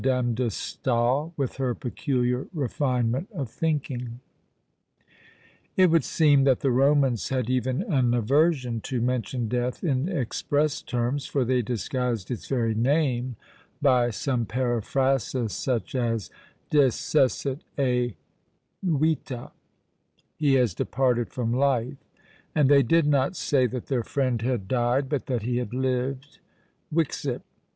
de Staël, with her peculiar refinement of thinking. It would seem that the Romans had even an aversion to mention death in express terms, for they disguised its very name by some periphrasis, such as discessit e vita, "he has departed from life;" and they did not say that their friend had died, but that he had lived; vixit!